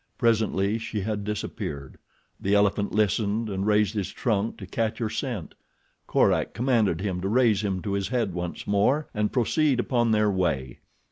Presently she had disappeared. The elephant listened, and raised his trunk to catch her scent. Korak commanded him to raise him to his head once more and proceed upon their way.